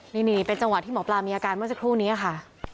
นี่เป็นจังหวะที่หมอปลามีอาการเมื่อสักครู่นี้ค่ะ